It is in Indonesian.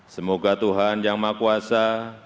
semoga tuhan yang maha kuasa